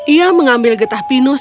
ia mengambil getah pinus